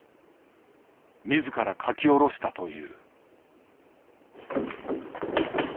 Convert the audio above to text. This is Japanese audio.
自ら書き下ろしたという。